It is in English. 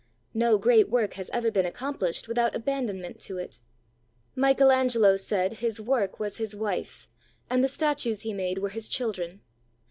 No great work has ever been accomplished without abandonment to it. Michael Angelo said his work was his wife and the statues he made were his children.